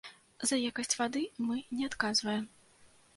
За якасць вады мы не адказваем.